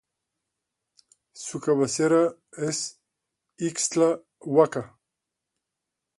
Su cabecera es Ixtlahuaca.